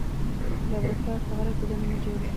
لابراتوار په غره کې دننه جوړ و.